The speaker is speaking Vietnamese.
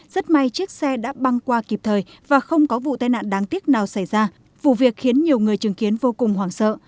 rất may chiếc xe đã băng qua kịp thời và không có vụ tai nạn đáng tiếc nào xảy ra vụ việc khiến nhiều người chứng kiến vô cùng hoảng sợ